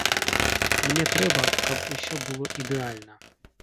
Мне трэба, каб усё было ідэальна.